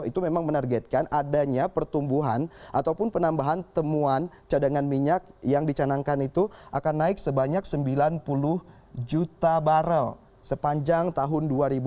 itu memang menargetkan adanya pertumbuhan ataupun penambahan temuan cadangan minyak yang dicanangkan itu akan naik sebanyak sembilan puluh juta barrel sepanjang tahun dua ribu dua puluh